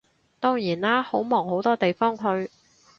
當然啦，好忙好多地方去